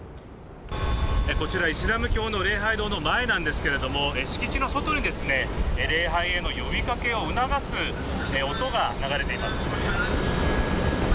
こちら、イスラム教の礼拝堂の前なんですけど敷地の外に礼拝への呼びかけを促す音が流れています。